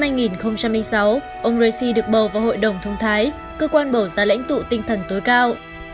năm hai nghìn sáu ông raisi được bầu vào hội đồng thông thái cơ quan bầu ra lãnh tụ tinh thần tối cao